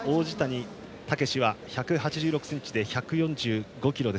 王子谷剛志は１８８ｃｍの１４５ｋｇ。